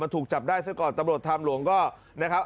ถูกจับได้ซะก่อนตำรวจทางหลวงก็นะครับ